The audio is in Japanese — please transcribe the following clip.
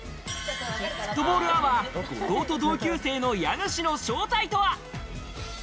フットボールアワー・後藤と同級生の家主の正体とは？